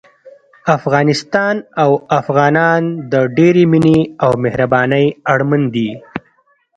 افغانستان او افغانان د ډېرې مينې او مهربانۍ اړمن دي